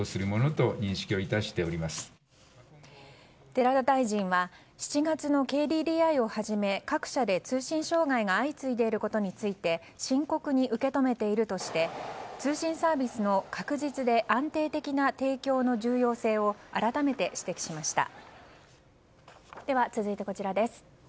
寺田大臣は７月のＫＤＤＩをはじめ各社で通信障害が相次いでいることについて深刻に受け止めているとして通信サービスの確実で安定的な提供の重要性を改めて指摘しました。